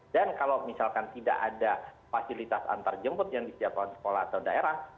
dan kalau misalkan tidak ada fasilitas antarjemput yang disiapkan sekolah atau daerah